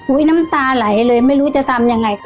น้ำตาไหลเลยไม่รู้จะทำยังไง